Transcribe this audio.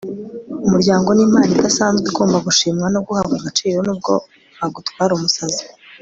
umuryango ni impano idasanzwe igomba gushimwa no guhabwa agaciro, nubwo bagutwara umusazi